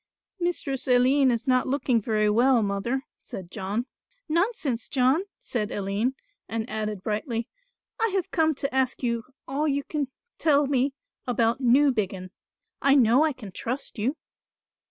"Mistress Aline is not looking very well, mother," said John. "Nonsense, John," said Aline, and added brightly, "I have come to ask you all you can tell me about Newbiggin. I know I can trust you."